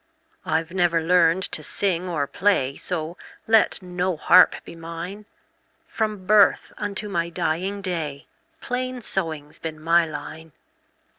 I 've never learned to sing or play, So let no harp be mine; From birth unto my dying day, Plain sewing 's been my line.